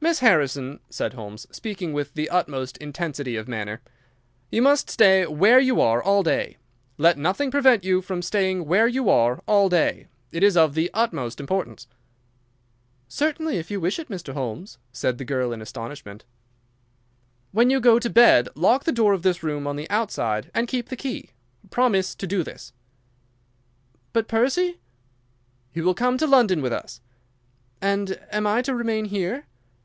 "Miss Harrison," said Holmes, speaking with the utmost intensity of manner, "you must stay where you are all day. Let nothing prevent you from staying where you are all day. It is of the utmost importance." "Certainly, if you wish it, Mr. Holmes," said the girl in astonishment. "When you go to bed lock the door of this room on the outside and keep the key. Promise to do this." "But Percy?" "He will come to London with us." "And am I to remain here?"